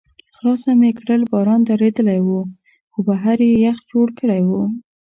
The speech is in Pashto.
خلاصه مې کړل، باران درېدلی و، خو بهر یې یخ جوړ کړی و.